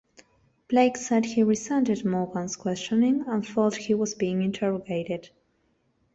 Blake said he resented Morgan's questioning and felt he was being interrogated.